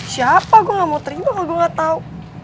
siapa gue gak mau terima gue gak tau